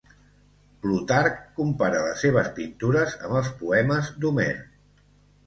Plutarc compara les seves pintures amb els poemes d'Homer.